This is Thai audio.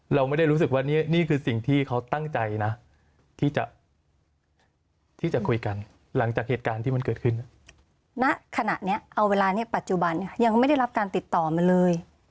เราไม่ได้รู้สึกว่านี่คือสิ่งที่เขาตั้งใจนะที่จะคุยกันหลังจากเหตุการณ์ที่มันเกิดขึ้นณขณะนี้เอาเวลานี้ปัจจุบันเนี่ยยังไม่ได้รับการติดต่อมาเลย